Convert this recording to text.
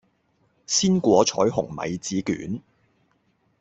鮮果彩虹米紙卷